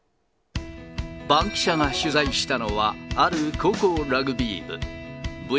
バンキシャが取材したのは、ある高校ラグビー部。